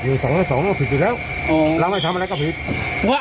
อยู่สองและสองก็ผิดอยู่แล้วอ๋อแล้วไม่ทำอะไรก็ผิดเพราะว่า